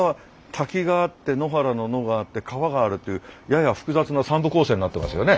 「滝」があって野原の「野」があって「川」があるっていうやや複雑な３部構成になってますよね。